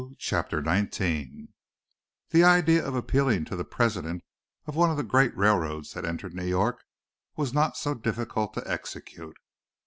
CHAPTER XIX This idea of appealing to the president of one of the great railroads that entered New York was not so difficult to execute.